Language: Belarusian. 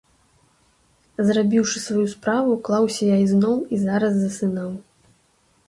Зрабіўшы сваю справу, клаўся я ізноў і зараз засынаў.